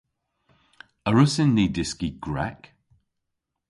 A wrussyn ni dyski Grek?